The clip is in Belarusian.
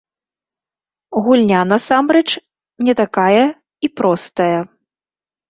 Гульня насамрэч не такая і простая.